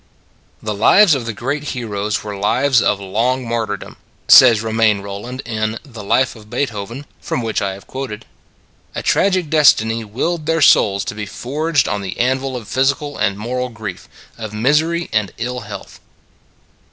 " The lives of the great heroes were lives of long martyrdom," says Remain Holland in the "Life of Beethoven" from which I have quoted. " A tragic destiny willed their souls to be forged on the anvil no It s a Good Old World of physical and moral grief, of misery and ill health."